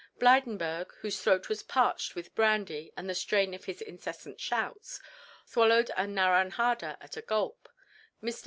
Blydenburg, whose throat was parched with brandy and the strain of his incessant shouts, swallowed a naranjada at a gulp. Mr.